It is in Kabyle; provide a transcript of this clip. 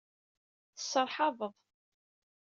Tesserhabeḍ.